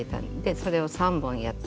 それを３本やって。